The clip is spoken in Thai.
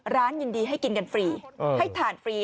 ยินดีให้กินกันฟรีให้ทานฟรี